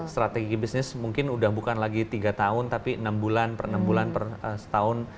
strategi bisnis mungkin sudah bukan lagi tiga tahun tapi enam bulan per enam bulan per setahun